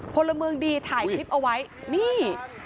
พลเมืองดีถ่ายคลิปเอาไว้นี่